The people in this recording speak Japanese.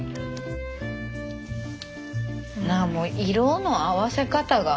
もう色の合わせ方が。